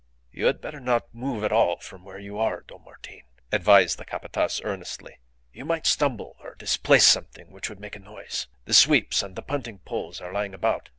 "You had better not move at all from where you are, Don Martin," advised the Capataz, earnestly. "You might stumble or displace something which would make a noise. The sweeps and the punting poles are lying about.